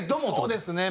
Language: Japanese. そうですね。